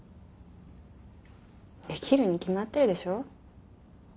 できるに決まってるでしょ。